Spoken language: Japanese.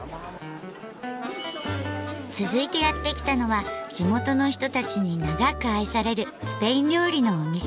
続いてやって来たのは地元の人たちに長く愛されるスペイン料理のお店。